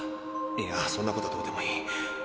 いやそんなことはどうでもいい。